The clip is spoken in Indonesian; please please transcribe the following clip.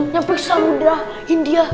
sampai ke samudera india